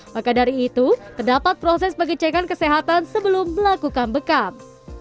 maka dari itu terdapat proses pengecekan kesehatan sebelum melakukan bekam